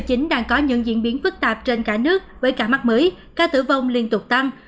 covid một mươi chín đang có những diễn biến phức tạp trên cả nước với cả mắt mới ca tử vong liên tục tăng